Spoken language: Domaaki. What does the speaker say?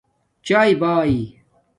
چایے باݵں